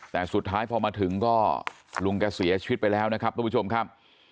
แต่สุดท้ายพอมาถึงก็ลุงแกเสียชีวิตไปแล้วนะครับทุกผู้ชมครับ